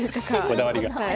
こだわりが。